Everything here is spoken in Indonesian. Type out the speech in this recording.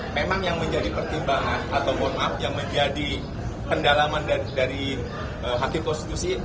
memang yang menjadi pertimbangan atau mohon maaf yang menjadi pendalaman dari hakim konstitusi